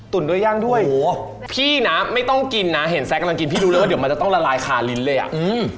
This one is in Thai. ด้วยย่างด้วยโอ้โหพี่นะไม่ต้องกินนะเห็นแซคกำลังกินพี่รู้เลยว่าเดี๋ยวมันจะต้องละลายคาลิ้นเลยอ่ะอืม